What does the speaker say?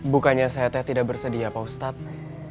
bukannya saya teh tidak bersedia pak ustadz